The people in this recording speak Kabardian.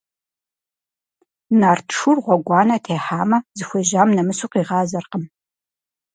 Нарт шур гъуэгуанэ техьамэ, зыхуежьам нэмысу къигъазэркъым.